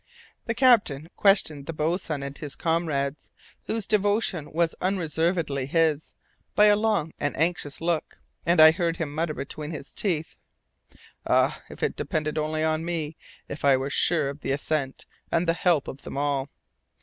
The captain questioned the boatswain and his comrades, whose devotion was unreservedly his, by a long and anxious look, and I heard him mutter between his teeth, "Ah! if it depended only on me! if I were sure of the assent and the help of them all!"